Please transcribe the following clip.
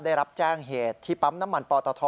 ได้รับแจ้งเหตุที่ปั๊มน้ำมันปอตท